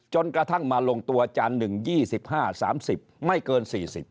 จนกระทั่งมาลงตัวอาจารย์๑๒๕๓๐ไม่เกิน๔๐